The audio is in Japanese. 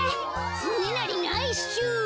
つねなりナイスシュート。